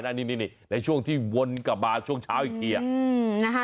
ในช่วงที่วนกับบาลช่วงเช้าอีกที